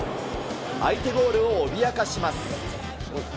相手ゴールを脅かします。